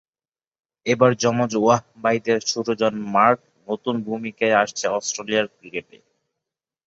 এবার যমজ ওয়াহ ভাইদের ছোটজন মার্ক নতুন ভূমিকায় আসছেন অস্ট্রেলিয়ার ক্রিকেটে।